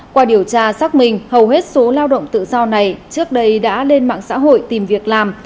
qua điều tra xác minh hầu hết số lao động tự do này trước đây đã lên mạng xã hội tìm việc làm